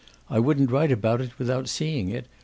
I wouldn't write about it without seeing it.